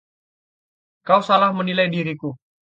Kau salah menilai diriku.